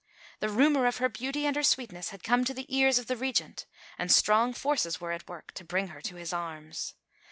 The rumour of her beauty and her sweetness had come to the ears of the Regent, and strong forces were at work to bring her to his arms.